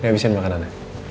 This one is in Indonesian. nih habisin makanan